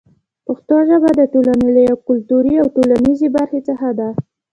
پښتو ژبه د ټولنې له یوې کلتوري او ټولنیزې برخې څخه ده.